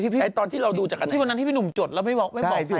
พี่ข้างบินใส่ตอนที่พี่หนุ่มจดนะนะไม่บอกใคร